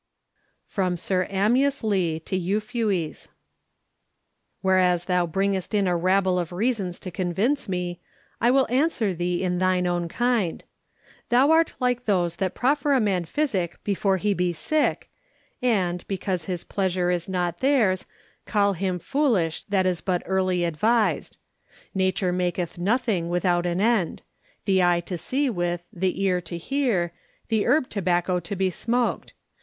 From Sir Amyas Leigh to Euphues. Whereas thou bringest in a rabble of reasons to convince me, I will answer thee in thine own kind. Thou art like those that proffer a man physic before he be sick, and, because his pleasure is not theirs, call him foolish that is but early advised. Nature maketh nothing without an end: the eye to see with, the ear to hear, the herb tobacco to be smoked.